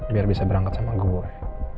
biar bisa berangkat sama gue